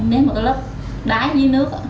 nếu mà cái lớp đá dưới nước